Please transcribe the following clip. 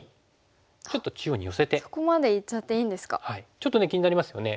ちょっと気になりますよね。